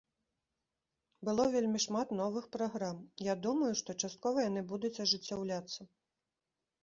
Было вельмі шмат новых праграм, я думаю, што часткова яны будуць ажыццяўляцца.